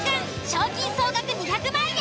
賞金総額２００万円